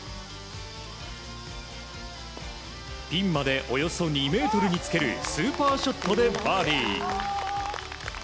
ピンまでおよそ２ｍにつけるスーパーショットでバーディー。